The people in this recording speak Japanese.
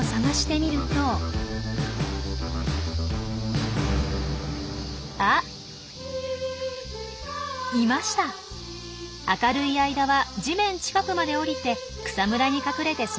明るい間は地面近くまで下りて草むらに隠れて過ごします。